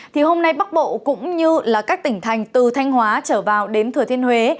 thì hôm nay bắc bộ cũng như các tỉnh thành từ thanh hóa trở vào đến thừa thiên huế